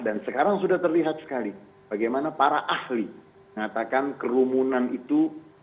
dan sekarang sudah terlihat sekali bagaimana para ahli mengatakan kerumunan itu